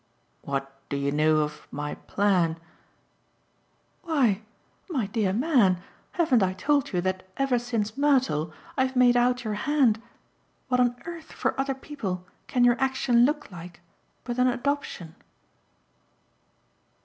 "What do you know of my 'plan'?" "Why, my dear man, haven't I told you that ever since Mertle I've made out your hand? What on earth for other people can your action look like but an adoption?"